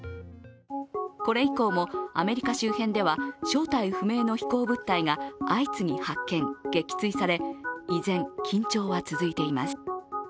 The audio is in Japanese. これ以降もアメリカ周辺では正体不明の飛行物体が相次ぎ発見、撃墜され依然、緊張は続いています。